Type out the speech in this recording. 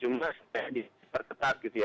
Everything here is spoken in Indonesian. cuma diperketat gitu ya